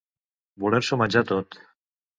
Voler-s'ho menjar tot.